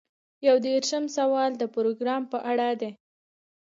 یو دېرشم سوال د پروګرام په اړه دی.